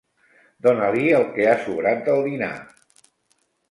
Dona-li el que ha sobrat del dinar.